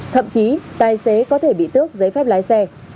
thậm chí tài xế có thể bị tước giấy phép lái xe